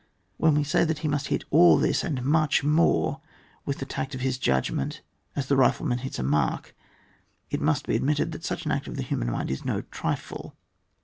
When we say that he must hit all this, and much more, with the tact of his judgment, as the rifleman hits a mark, it must be admitted that such an act of the human mind is bo trifle.